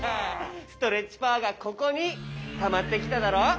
ストレッチパワーがここにたまってきただろ！